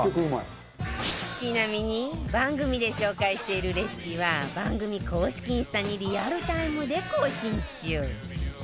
ちなみに番組で紹介しているレシピは番組公式インスタにリアルタイムで更新中